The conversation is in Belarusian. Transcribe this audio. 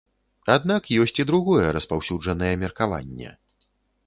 Аднак ёсць і другое распаўсюджанае меркаванне.